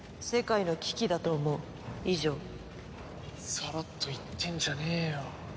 サラッと言ってんじゃねえよ。